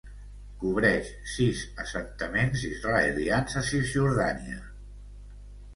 Cobreix sis assentaments israelians a Cisjordània.